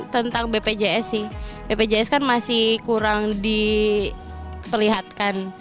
tentang bpjs sih bpjs kan masih kurang diperlihatkan